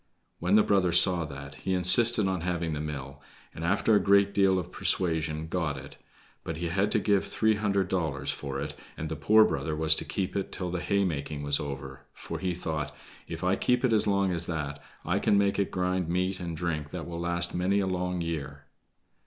When the brother saw that, he insisted on having the mill, and after a great deal of persuasion got it; but he had to give three hundred dollars for it, and the poor brother was to keep it till the haymaking was over, for he thought: "If I keep it as long as that, I can make it grind meat and drink that will last many a long year."